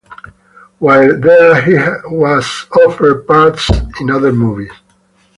While there he was offered parts in other movies.